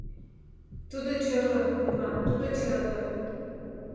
— Тудо черле, туван, тудо черле!..